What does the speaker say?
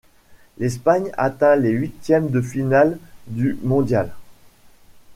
L'Espagne atteint les huitièmes de finale du mondial.